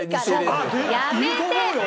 やめてよ！